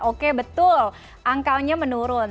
oke betul angkanya menurun